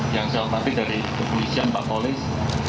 yang saya hormati dari kepolisian pak polis